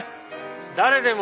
「『誰でも』